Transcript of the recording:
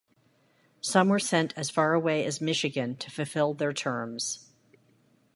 Some were sent as far away as Michigan to fulfill their terms.